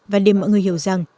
và để mọi người hiểu rằng